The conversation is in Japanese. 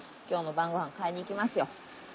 今日の晩ごはん買いに行きますよ。